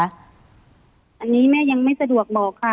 อันนี้แม่ยังไม่สะดวกบอกค่ะ